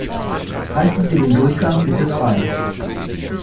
Halten Sie den Durchgang bitte frei!